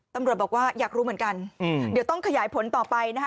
ตำรวจบอกว่าอยากรู้เหมือนกันเดี๋ยวต้องขยายผลต่อไปนะคะ